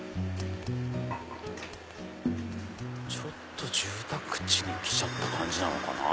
ちょっと住宅地に来ちゃった感じなのかな。